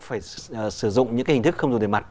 phải sử dụng những cái hình thức không dùng tiền mặt